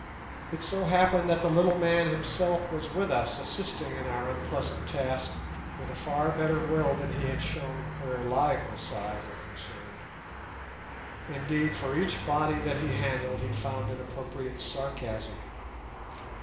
It so happened that the little man himself was with us assisting in our unpleasant task with a far better will than he had shown where live Masai were concerned. Indeed, for each body that he handled he found an appropriate sarcasm.